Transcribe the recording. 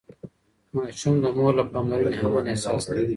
ماشوم د مور له پاملرنې امن احساس کوي.